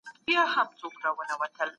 د خطرونو د پېژندلو لپاره لارښوونې تازه شوي.